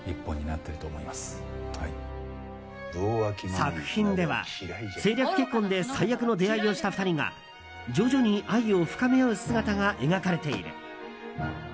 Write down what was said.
作品では、政略結婚で最悪の出会いをした２人が徐々に愛を深め合う姿が描かれている。